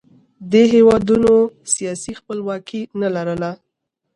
دې هېوادونو سیاسي خپلواکي نه لرله